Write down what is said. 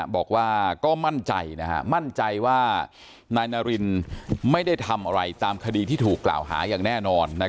บอกว่าก็มั่นใจมั่นใจว่านายนารินไม่ได้ทำอะไรตามคดีที่ถูกกล่าวหาอย่างแน่นอน